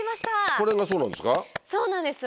これがそうなんですか？